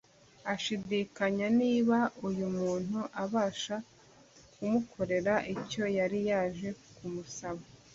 Ashidikanya niba uyu muntu abasha kumukorera icyo yari yaje kumusaba